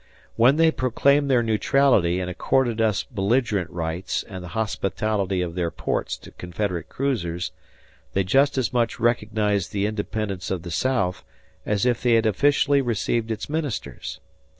When they proclaimed their neutrality and accorded us belligerent rights and the hospitality of their ports to Confederate cruisers, they just as much recognized the independence of the South as if they had officially received its ministers.